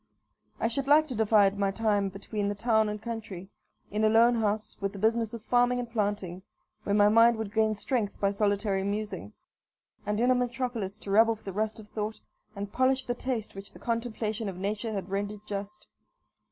I should like to divide my time between the town and country; in a lone house, with the business of farming and planting, where my mind would gain strength by solitary musing, and in a metropolis to rub off the rust of thought, and polish the taste which the contemplation of nature had rendered just.